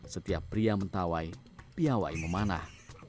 setiap pria mentawai piawai memanah